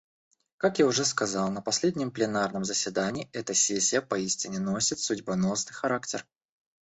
Как я уже сказал на последнем пленарном заседании, эта сессия поистине носит судьбоносный характер.